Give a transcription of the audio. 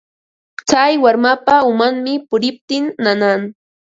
Tsay warmapa umanmi puriptin nanan.